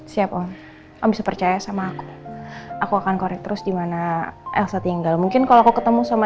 siapa habis percaya sama aku aku akan korek terus dimana elsa tinggal mungkin kalau aku ketemu sama